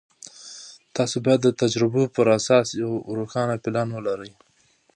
تاسې باید د تجربو پر اساس یو روښانه پلان ولرئ.